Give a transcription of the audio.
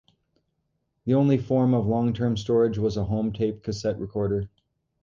The only form of long-term storage was a home tape cassette recorder.